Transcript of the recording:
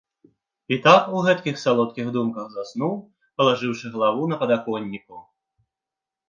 І так у гэткіх салодкіх думках заснуў, палажыўшы галаву на падаконніку.